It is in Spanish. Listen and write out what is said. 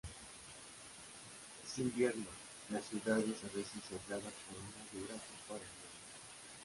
En invierno la ciudad es a veces aislada por una dura capa de nieve.